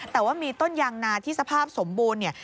แต่ว่ามีต้นยางนาที่สภาพสมบูรณ์เนี่ย